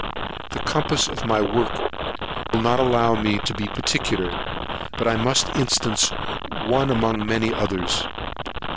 The compass of my work will not allow me to be particular; but I must instance one among many others.